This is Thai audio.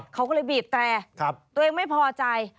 เขาก็เลยบีบแตรตัวเองไม่พอใจ